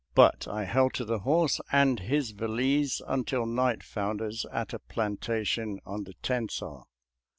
But I held to the horse and his valise until night found us at a plantation on the Tensas.